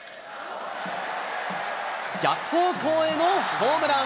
逆方向へのホームラン。